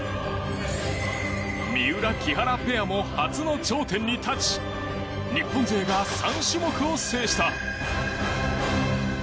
三浦・木原ペアも初の頂点に立ち日本勢が３種目を制した。